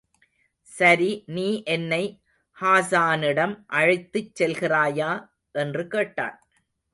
சரி நீ என்னை ஹாஸானிடம் அழைத்துச் செல்கிறாயா? என்று கேட்டான்.